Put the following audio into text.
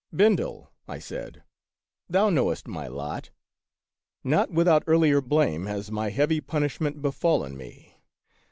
"Bendel," I said, "thou knowest my lot. Not without earlier blame has my heavy punish ment befallen me.